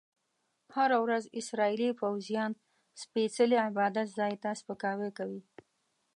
هره ورځ اسرایلي پوځیان سپیڅلي عبادت ځای ته سپکاوی کوي.